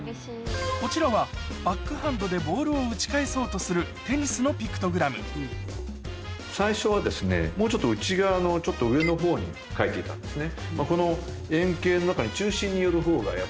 こちらはバックハンドでボールを打ち返そうとするテニスのピクトグラム最初はもうちょっと内側のちょっと上のほうに描いていたんですね。